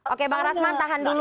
oke bang rasman tahan dulu